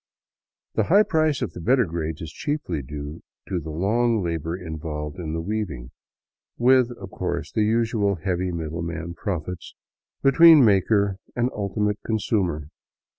The high price of the better grades is chiefly due to the long labor in volved in the weaving, with, of course, the usual heavy middleman profits between maker and ultimate consumer.